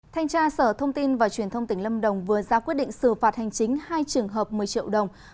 thanh tra sở thông tin và truyền thông tỉnh lâm đồng vừa ra quyết định xử phạt hành chính hai trường hợp một mươi triệu đồng